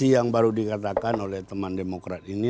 yang baru dikatakan oleh teman demokrat ini